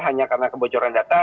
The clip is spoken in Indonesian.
hanya karena kebocoran data